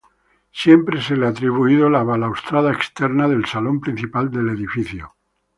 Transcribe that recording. Siempre se le atribuido la balaustrada externa del salón principal del edificio.